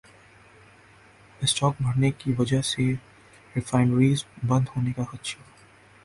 stock بڑھنے کی وجہ سے ریفائنریز بند ہونے کا خدشہ